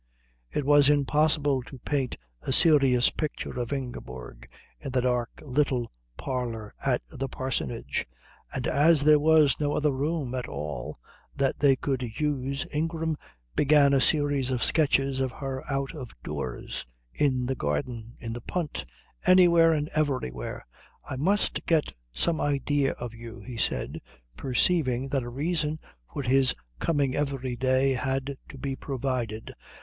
It was impossible to paint a serious picture of Ingeborg in the dark little parlour at the parsonage, and as there was no other room at all that they could use Ingram began a series of sketches of her out of doors, in the garden, in the punt, anywhere and everywhere. "I must get some idea of you," he said, perceiving that a reason for his coming every day had to be provided.